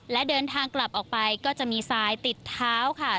และเดินทางกลับออกไปก็จะมีทรายติดเท้าค่ะ